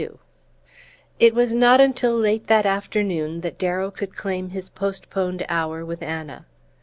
XXII It was not until late that afternoon that Darrow could claim his postponed hour with Anna.